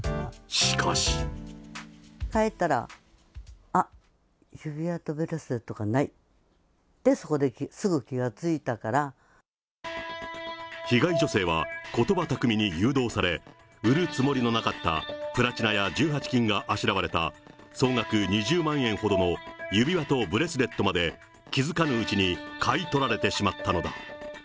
帰ったら、あっ、指輪とブレスレットがない、被害女性はことば巧みに誘導され、売るつもりのなかったプラチナや１８金があしらわれた総額２０万円ほどの指輪とブレスレットまで、気付かぬうちに買い取られてしまったのだ。